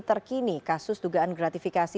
terkini kasus dugaan gratifikasi